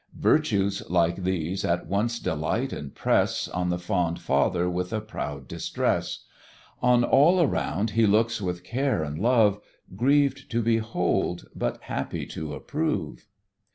Virtues like these at once delight and press On the fond father with a proud distress; On all around he looks with care and love, Grieved to behold, but happy to approve.